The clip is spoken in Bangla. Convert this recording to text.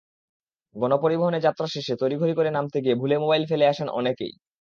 গণপরিবহনে যাত্রা শেষে তড়িঘড়ি করে নামতে গিয়ে ভুলে মোবাইল ফেলে আসেন অনেকেই।